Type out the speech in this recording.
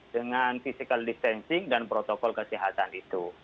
dengan physical distancing dan protokol kesehatan itu